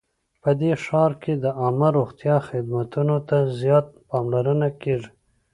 په دې ښار کې د عامه روغتیا خدمتونو ته زیاته پاملرنه کیږي